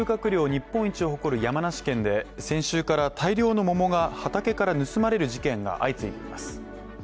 日本一を誇る山梨県で、先週から大量の桃が畑から盗まれる事件が相次いでいます。